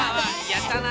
やったな。